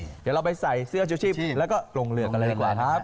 เดี๋ยวเราไปใส่เสื้อชีวแล้วก็กลงเลือกว่านะฮะ